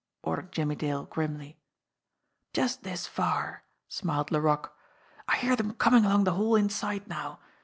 ordered Jimmie Dale grimly. "Just this far," smiled Laroque. "I hear them coming along the hall inside now.